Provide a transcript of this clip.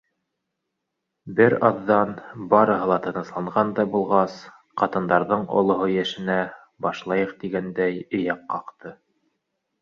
Бер аҙҙан, барыһы ла тынысланғандай булғас, ҡатындарҙың олоһо йәшенә «башлайыҡ» тигәндәй эйәк ҡаҡты.